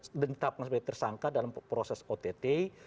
ditangkapnya sebagai tersangka dalam proses otomatis